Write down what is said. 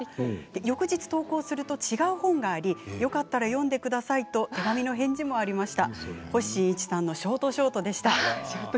翌日登校すると違う本がありよかったら読んでくださいと手紙の返事がありました。